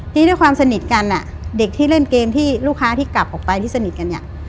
ทีนี้ด้วยความสนิทกันอ่ะเด็กที่เล่นเกมที่ลูกค้าที่กลับออกไปที่สนิทกันเนี่ย